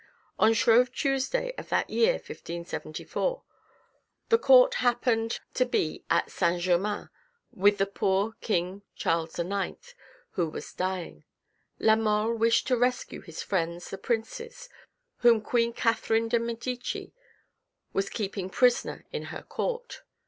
On Shrove Tuesday of that year 1574, the court happened to be at St. Germain with the poor king Charles IX. who was dying. La Mole wished to rescue his friends the princes, whom Queen Catherine of Medici was keeping prisoner in her Court.